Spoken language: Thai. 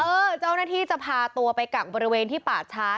เจ้าหน้าที่จะพาตัวไปกักบริเวณที่ป่าช้า